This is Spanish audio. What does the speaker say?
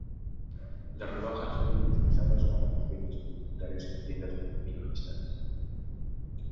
Las rebajas son muy utilizadas para las ventas publicitarias en tiendas minoristas.